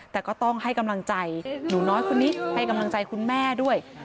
แต่ก็ต้องให้กำลังใจหนูน้อยคนนี้ให้กำลังใจคุณแม่ด้วย